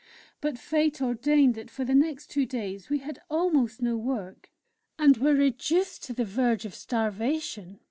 But fate ordained that for the next two days we had almost no work, and were reduced to the verge of starvation.